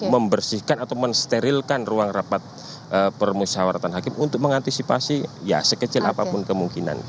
membersihkan atau mensterilkan ruang rapat permusyawaratan hakim untuk mengantisipasi ya sekecil apapun kemungkinan